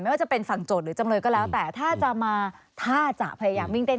ว่าจะเป็นฝั่งโจทย์หรือจำเลยก็แล้วแต่ถ้าจะมาถ้าจะพยายามวิ่งเต้น